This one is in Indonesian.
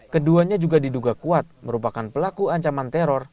keduanya juga diduga kuat merupakan pelaku ancaman teror